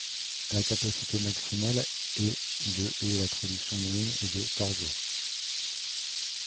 La capacité maximale est de et la production moyenne est de par jour.